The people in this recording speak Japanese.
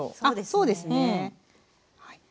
あっそうですね。